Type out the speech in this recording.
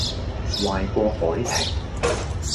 壞過凱婷